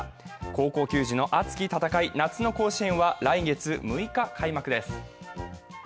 高校球児の熱き戦い、夏の甲子園は来月６日開幕です。